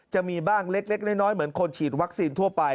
จะมีบ้างเล็กน้อยเหมือนคนฉีดวัคซีนทั่วไป